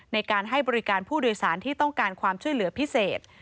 ในการให้บริการผู้โดยสารที่ต้องการความช่วยเหลือพิเศษ